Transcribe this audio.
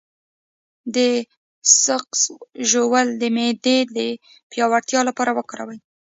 د سقز ژوول د معدې د پیاوړتیا لپاره وکاروئ